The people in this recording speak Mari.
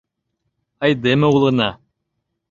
Айдеме улына.